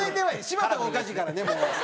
柴田がおかしいからねもう。